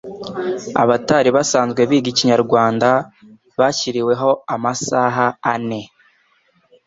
abatari basanzwe biga Ikinyarwanda bashyiriweho amasaha ane